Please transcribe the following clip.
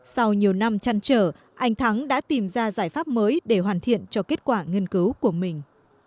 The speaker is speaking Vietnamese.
sau nhiều năm chăn trở anh thắng đã tìm ra giải pháp mới để hoàn thiện cho kết quả nghiên cứu của mình